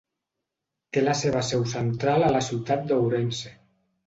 Té la seva seu central a la ciutat d'Ourense.